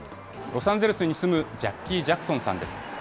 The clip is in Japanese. ロサンゼルスに住むジャッキー・ジャクソンさんです。